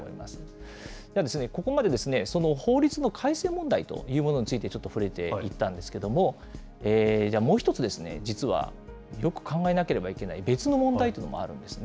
ここまで法律の改正問題というものについて、ちょっと触れていったんですけども、じゃあ、もう一つ、実はよく考えなければいけない別の問題というのもあるんですね。